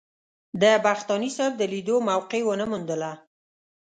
د بختاني صاحب د لیدو موقع ونه موندله.